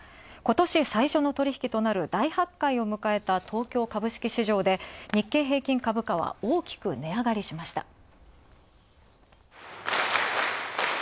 今年最初の取引となる大発会を迎えた東京株式市場で日経平均株価は大きく値上がりしました。